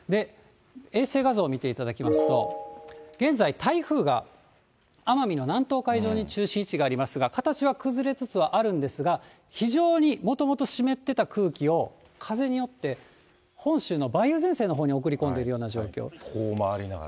衛星画像を見ていただきますと、現在、台風が奄美の南東海上に中心位置がありますが、形は崩れつつあるんですが、非常にもともと湿ってた空気を、風によって本州の梅雨前線のほうに送り込んでいるような状況。